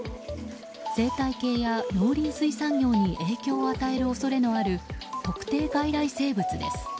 生態系や農林水産業に影響を与える恐れのある特定外来生物です。